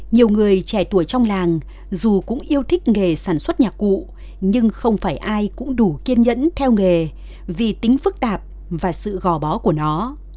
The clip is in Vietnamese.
nhiều người trẻ tuổi trong làng dù cũng yêu thích nghề sản xuất nhạc cụ nhưng không phải ai cũng đủ kiên nhẫn theo nghề vì tính phức tạp và sự gò bó của nó